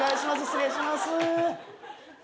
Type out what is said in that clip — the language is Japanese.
失礼します。